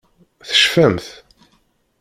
Tecfamt?